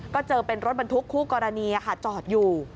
ก็เจอเป็นรถบรรทุกคู่กรณีจอดอยู่